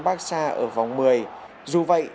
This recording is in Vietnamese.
barca ở vòng một mươi dù vậy